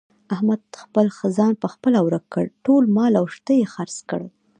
احمد خپل ځان په خپله ورک کړ. ټول مال او شته یې خرڅ کړل.